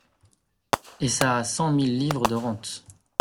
Et ça a cent mille livres de rente !…